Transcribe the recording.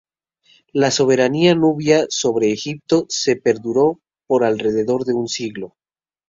La soberanía nubia sobre Egipto se perduró por alrededor de un siglo.